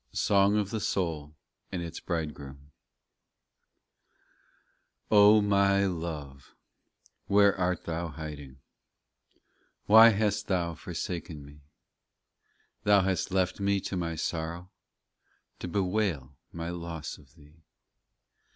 SONG OF THE SOUL AND ITS BRIDE GROOM 1 O MY love, where art Thou hiding ? Why hast Thou forsaken me ? Thou hast left me to my sorrow, To bewail my loss of Thee.